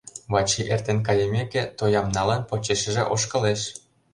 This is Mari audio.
Вачи эртен кайымеке, тоям налын, почешыже ошкылеш.